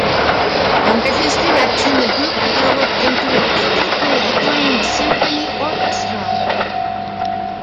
Under his direction the group developed into a critically acclaimed symphony orchestra.